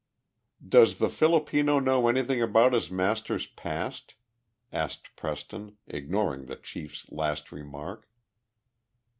"Does the Filipino know anything about his master's past?" asked Preston, ignoring the chief's last remark.